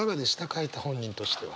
書いた本人としては。